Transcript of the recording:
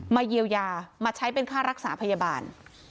เยียวยามาใช้เป็นค่ารักษาพยาบาล